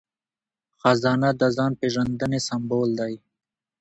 خزانه د ځان پیژندنې سمبول دی.